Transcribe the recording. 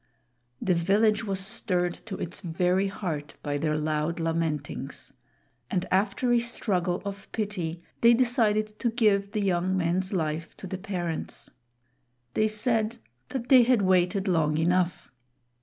The village was stirred to its very heart by their loud lamentings; and after a struggle of pity, they decided to give the young man's life to the parents. They said that they had waited long enough.